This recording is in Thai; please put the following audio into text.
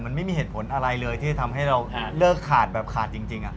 มันไม่มีเหตุผลอะไรเลยที่จะทำให้เราเลิกขาดแบบขาดจริง